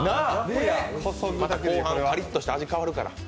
後半カリッとして味変わるから。